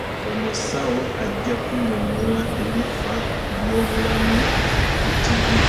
Omusawo ajja kunyonnyola ebifa ku by'obulamu ku ttivvi.